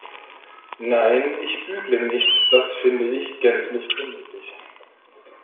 Nein, ich bügle nicht, das finde ich gänzlich unnötig.